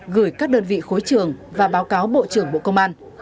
gửi các đơn vị khối trường và báo cáo bộ trưởng bộ công an